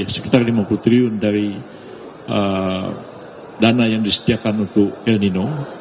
sekitar lima puluh triliun dari dana yang disediakan untuk el nino